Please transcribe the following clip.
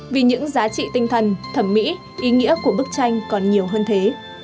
vì những giá trị tinh thần thẩm mỹ ý nghĩa của bức tranh còn nhiều hơn thế